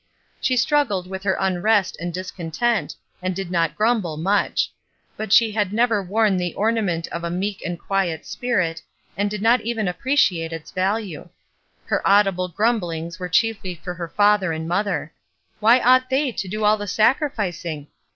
She struggled with her unrest and dis content, and did not grumble much; but she had never worn the ornament of a "meek and quiet spirit," and did not even appreciate its value. Her audible grumblings were chiefly for her father and mother. Why ought they to do all the sacrificing?